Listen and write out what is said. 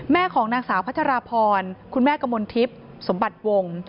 แม่ของนางสาวพัชราพรคุณแม่กมณฑิภสมบัติวงศ์